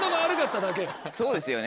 そうですよね。